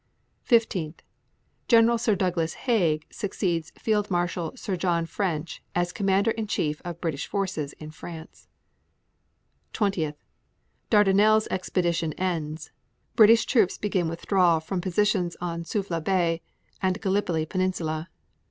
15. Gen. Sir Douglas Haig succeeds Field Marshal Sir John French as Commander in Chief of British forces in France. 20. Dardanelles expedition ends; British troops begin withdrawal from positions on Suvla Bay and Gallipoli Peninsula.